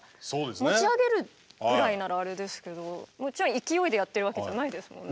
持ち上げるぐらいならあれですけどもちろん勢いでやってるわけじゃないですもんね